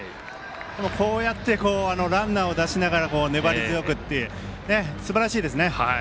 こうやってランナーを出しながら粘り強くっていうすばらしいですね。